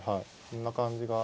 そんな感じが。